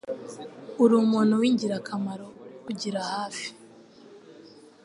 Uri umuntu w'ingirakamaro kugira hafi, .